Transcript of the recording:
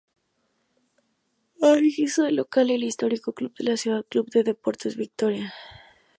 Ahí hizo de local el histórico club de la ciudad, Club de Deportes Victoria.